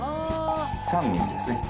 ３ミリですね。